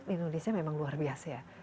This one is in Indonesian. indonesia memang luar biasa ya